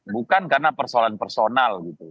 bukan karena persoalan personal gitu